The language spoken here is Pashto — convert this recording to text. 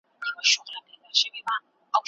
زما دې ژوند د ارواحونو په زنځير وتړئ